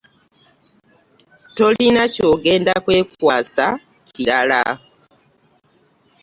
Tolina ky'ogenda kwekwasa kirala.